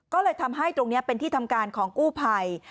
ก็เลยทำให้ตรงนี้เป็นที่ทำการของกู้ภัย